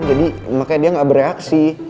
jadi makanya dia gak bereaksi